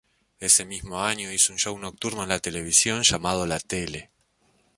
Ese mismo año hizo un show nocturno en la televisión llamado "La Tele".